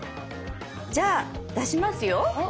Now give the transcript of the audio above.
じゃあ出しますよ。